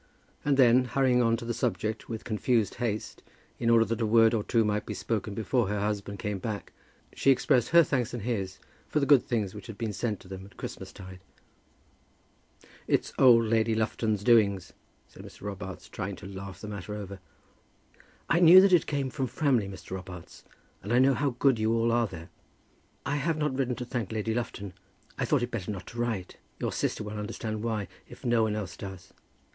And then, hurrying on to the subject with confused haste, in order that a word or two might be spoken before her husband came back, she expressed her thanks and his for the good things which had been sent to them at Christmas tide. "It's old Lady Lufton's doings," said Mr. Robarts, trying to laugh the matter over. "I knew that it came from Framley, Mr. Robarts, and I know how good you all are there. I have not written to thank Lady Lufton. I thought it better not to write. Your sister will understand why, if no one else does.